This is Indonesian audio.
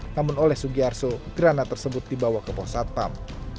namun oleh sugiharso geranat tersebut dibawa ke posat pam